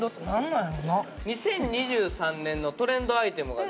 ２０２３年のトレンドアイテムがです